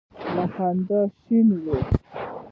له خندا شین وي.